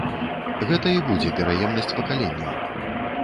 Гэта і будзе пераемнасць пакаленняў.